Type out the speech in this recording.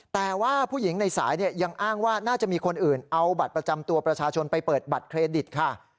แต่ว่าผู้หญิงในสายยังอ้างว่าน่าจะมีคนอื่นเอาบัตรประจำตัวประชาชนไปเปิดบัตรเครดิตค่ะ